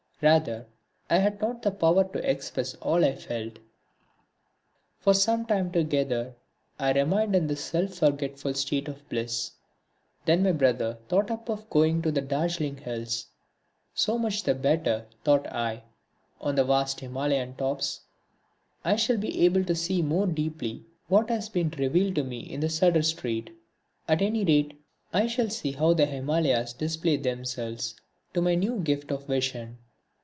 Rather I had not the power to express all I felt. For some time together I remained in this self forgetful state of bliss. Then my brother thought of going to the Darjeeling hills. So much the better, thought I. On the vast Himalayan tops I shall be able to see more deeply into what has been revealed to me in Sudder Street; at any rate I shall see how the Himalayas display themselves to my new gift of vision.